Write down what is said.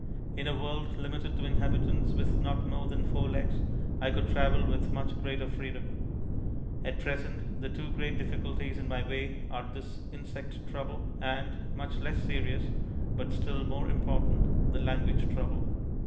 In a world limited to inhabitants with not more than four legs I could travel with much greater freedom. At present the two great difficulties in my way are this insect trouble, and (much less serious, but still more important) the language trouble.